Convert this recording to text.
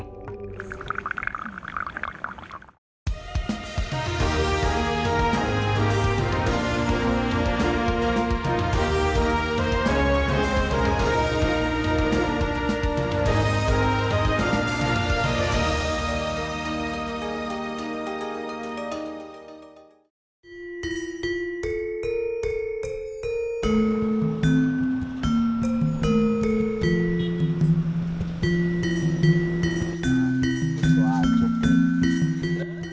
ketika gelora laut menanti berlaga